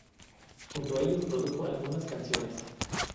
Junto a ellos produjo algunas canciones.